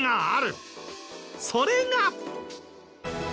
それが。